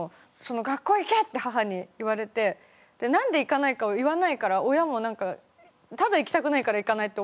「学校へ行け！」って母に言われてで何で行かないかを言わないから親も何かただ行きたくないから行かないって思ってたと思うんですよね。